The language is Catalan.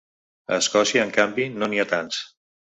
A Escòcia, en canvi, no n’hi ha tants.